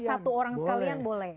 satu orang sekalian boleh